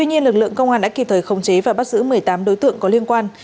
tuy nhiên lực lượng công an đã kịp thời khống chế và bắt giữ một mươi tám đối tượng có liên quan